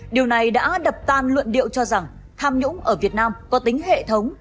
điều này đã đập tan luận điệu cho rằng tham nhũng ở việt nam có tính hệ thống